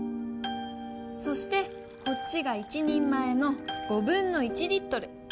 そしてこっちが１人前のリットル。